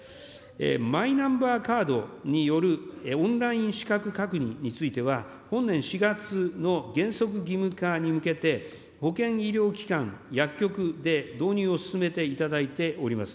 マイナンバーカードによるオンライン資格確認については、本年４月の原則義務化に向けて、ほけん医療機関、薬局で導入を進めていただいております。